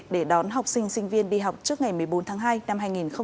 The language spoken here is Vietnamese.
để đón học sinh sinh viên đi học trước ngày một mươi bốn tháng hai năm hai nghìn hai mươi